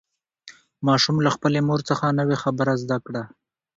ماشوم له خپلې مور څخه نوې خبره زده کړه